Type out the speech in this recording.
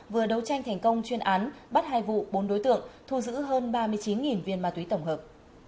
vừa đấu tranh thành công chuyên án bắt hai vụ bốn đối tượng thu giữ hơn ba mươi chín viên ma túy tổng hợp